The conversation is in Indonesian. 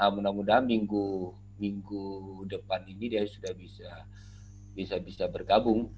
mudah mudahan minggu depan ini dia sudah bisa bergabung